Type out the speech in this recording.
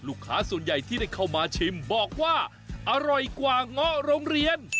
ลูกค้าส่วนใหญ่ที่ได้เข้ามาชิมบอกว่าอร่อยกว่าเงาะโรงเรียน